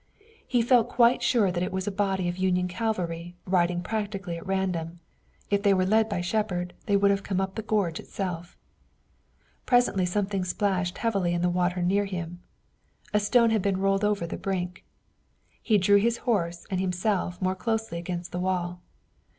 He felt quite sure that it was a body of Union cavalry riding practically at random if they were led by Shepard they would have come up the gorge itself. Presently something splashed heavily in the water near him. A stone had been rolled over the brink. He drew his horse and himself more closely against the wall.